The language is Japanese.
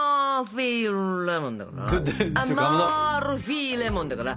アマルフィレモンだから。